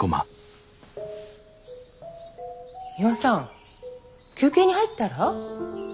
ミワさん休憩に入ったら？